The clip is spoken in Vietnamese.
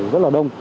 rất là đông